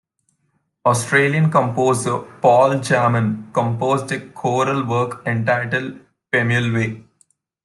Australian composer Paul Jarman composed a choral work entitled "Pemulwuy".